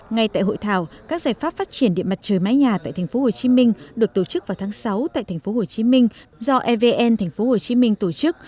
ngay tại hội thảo các giải pháp phát triển điện mặt trời mái nhà tại tp hcm được tổ chức vào tháng sáu tại tp hcm do evn tp hcm tổ chức